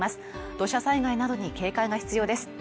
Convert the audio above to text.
土砂災害などに警戒が必要です。